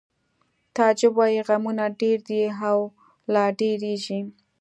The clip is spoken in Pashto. تعجب وایی غمونه ډېر دي او لا ډېرېږي